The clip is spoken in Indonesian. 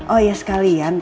oh iya sekalian